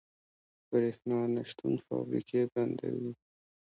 برښنا نشتون فابریکې بندوي.